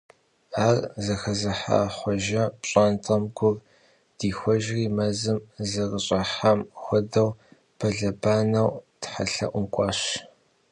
Ар зэхэзыха Хъуэжэ пщӀантӀэм гур дихуэжри, мэзым зэрыщыӀам хуэдэу, бэлэбанэу тхьэлъэӀум кӀуащ.